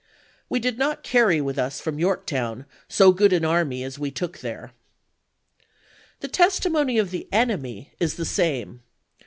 We did not carry with us from ^ar^j^"' Yorktown so good an army as we took there. pp 129, 130. The testimony of the enemy is the same.